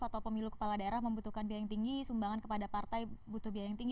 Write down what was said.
atau pemilu kepala daerah membutuhkan biaya yang tinggi sumbangan kepada partai butuh biaya yang tinggi